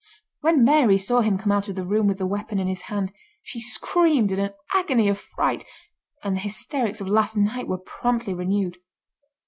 When Mary saw him come out of the room with the weapon in his hand she screamed in an agony of fright, and the hysterics of last night were promptly renewed.